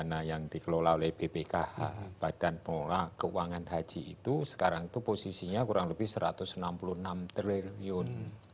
dana yang dikelola oleh bpkh badan pengelola keuangan haji itu sekarang itu posisinya kurang lebih satu ratus enam puluh enam triliun